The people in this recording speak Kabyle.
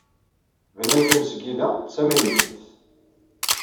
Bnan tamesgida d tamaynut.